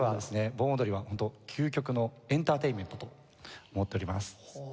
盆踊りはホント究極のエンターテインメントと思っております。